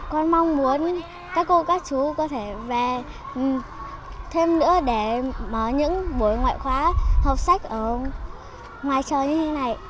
con mong muốn các cô các chú có thể về thêm nữa để mở những buổi ngoại khóa học sách ở ngoài trời như thế này